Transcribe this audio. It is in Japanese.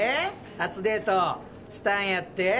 初デートしたんやって？